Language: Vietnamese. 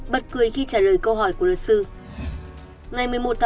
bật cười khi trả lời câu hỏi của luật sư